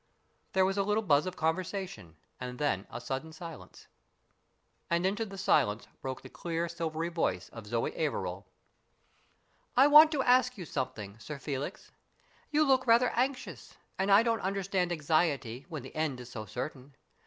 There was a little buzz of conversation, and then a sudden silence. And into the silence broke the clear, silvery voice of Zoe Averil. " I want to ask you something, Sir Felix. You look rather anxious, and I don't understand anxiety when the end is so certain.